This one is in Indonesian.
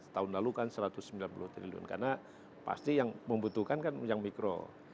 tahun lalu kan rp satu ratus sembilan puluh triliun karena pasti yang membutuhkan kan yang mikro